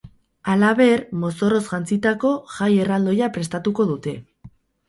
Halaber, mozorroz jantzitako jai erraldoia prestatuko dute.